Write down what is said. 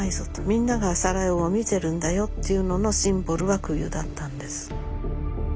みんながサラエボを見てるんだよっていうののシンボルは空輸だったんです。